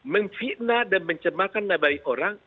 menfitnah dan mencemahkan nabai orang